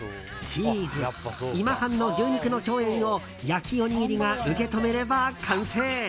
チーズ、今半の牛肉の共演を焼きおにぎりが受け止めれば完成。